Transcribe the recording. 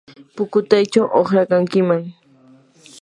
pukutaychaw uqrakankiman.